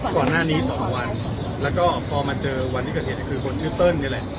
ก่อนหน้านี้สองวันแล้วก็พอมาเจอวันที่เกิดเหตุก็คือคนชื่อเติ้ลนี่แหละ